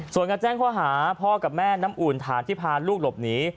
ส่วนการแจ้งข้อหาพ่อกับแม่น้ำอุ่นฐานที่พาลูกหลบหนี